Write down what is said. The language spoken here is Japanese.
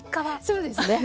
そうですね。